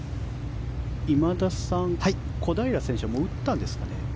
今田さん、小平選手はもう打ったんですかね。